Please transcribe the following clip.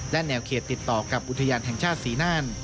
และแนวเขตติดต่อกับอุทยานแห่งชาติศรีน่าน